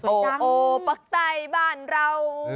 โอ้โหปักใต้บ้านเรา